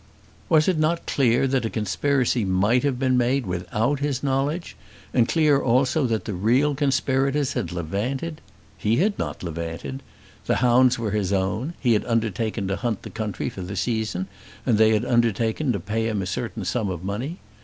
Was it not clear that a conspiracy might have been made without his knowledge; and clear also that the real conspirators had levanted? He had not levanted! The hounds were his own. He had undertaken to hunt the country for this season, and they had undertaken to pay him a certain sum of money.